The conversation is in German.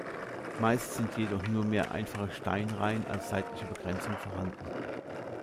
Meist sind jedoch nur mehr einfache Steinreihen als seitliche Begrenzung vorhanden.